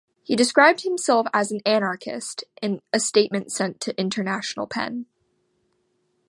He described himself as an anarchist, in a statement sent to International Pen.